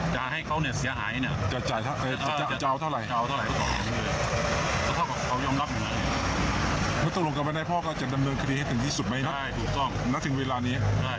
ใช่ถูกส้อมถึงเวลานี้